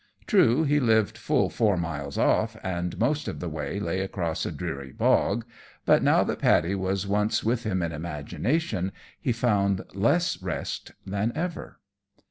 True, he lived full four miles off, and most of the way lay across a dreary bog; but now that Paddy was once with him in imagination he found less rest than ever.